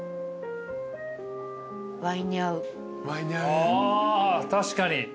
あ確かに。